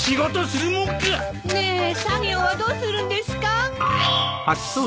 ねえ作業はどうするんですか？